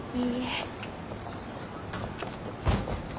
いいえ。